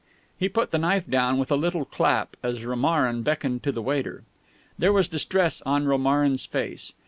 He put the knife down with a little clap as Romarin beckoned to the waiter. There was distress on Romarin's face.